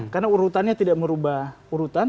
karena urutannya tidak merubah urutan